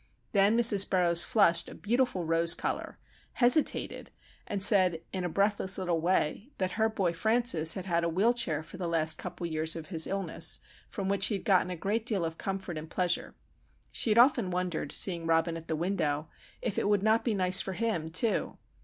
Then Mrs. Burroughs flushed a beautiful rose colour, hesitated, and said, in a breathless little way, that her boy, Francis, had had a wheel chair for the last couple of years of his illness from which he had gotten a great deal of comfort and pleasure. She had often wondered, seeing Robin at the window, if it would not be nice for him, too.